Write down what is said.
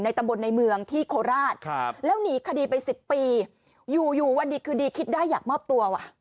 ตำบลในเมืองที่โคราชแล้วหนีคดีไป๑๐ปีอยู่อยู่วันดีคืนดีคิดได้อยากมอบตัวว่ะ